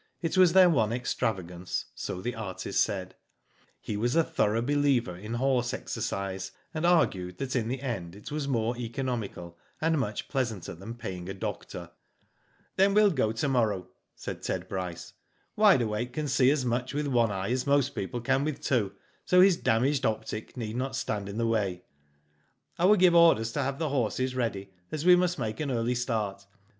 It was their one extravagance, so the artist said. He was a thorough believer in H 2 Digitized byGoogk 100 WHO DID ITf horse exercise, and argued that in the end it was more economical, and much pleasanter than paying a doctor. Then we'll go to morrow,'* said Ted Bryce. ''Wide Awake can see as much with one eye as most people can with two, so his damaged optic need not stand in the way. I will give orders to have the horses ready, as we must make an early start.